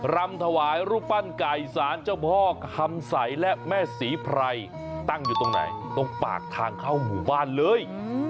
รำถวายรูปปั้นไก่สารเจ้าพ่อคำใสและแม่ศรีไพรตั้งอยู่ตรงไหนตรงปากทางเข้าหมู่บ้านเลย